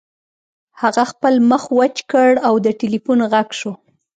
هغه خپل مخ وچ کړ او د ټیلیفون غږ شو